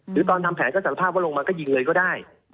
ตอนทำแผนก็สารภาพว่าลงมาก็ยิงเลยก็ได้